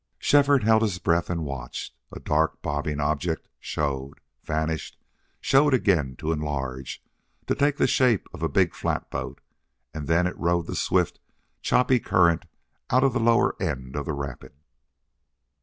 Shefford held his breath and watched. A dark, bobbing object showed, vanished, showed again to enlarge to take the shape of a big flatboat and then it rode the swift, choppy current out of the lower end of the rapid.